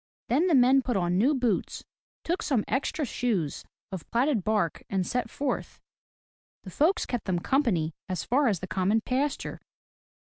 Then the men put on new boots, took some extra shoes of platted bark, and set forth. The folks kept them company as far as the common pasture.